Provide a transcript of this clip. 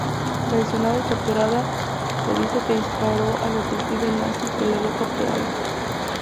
Traicionada y capturada, se dice que disparó al detective nazi que la había capturado.